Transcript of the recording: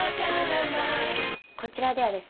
こちらではですね